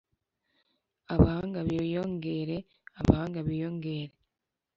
abahanga biyongere, abahanga biyongere